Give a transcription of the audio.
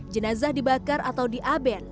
jenazah dibakar atau di aben